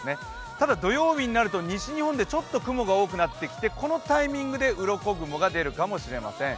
ただ、土曜日になると西日本でちょっと雲が多くなってきてこのタイミングでうろこ雲が出るかもしれません。